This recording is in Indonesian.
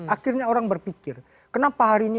akhirnya orang berpikir kenapa hari ini